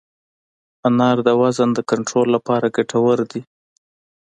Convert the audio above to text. انار د وزن د کنټرول لپاره ګټور دی.